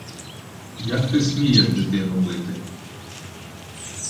Як ти смієш дитину бити?